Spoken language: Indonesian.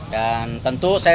dan saya juga menawarkan apa apa